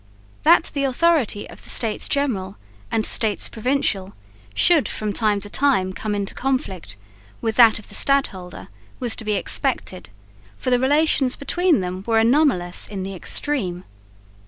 That the authority of the States General and States Provincial should from time to time come into conflict with that of the stadholder was to be expected, for the relations between them were anomalous in the extreme.